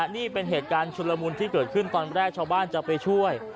นี่เป็นเหตุการณ์ชุดละมุนที่เกิดขึ้นตอนแรกชาวบ้านจะไปช่วย